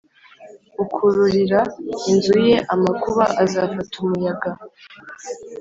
Ukururira inzu ye amakuba azafata umuyaga